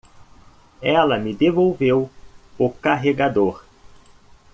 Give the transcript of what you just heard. Ela me devolveu o carregador.